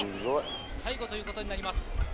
最後という事になります。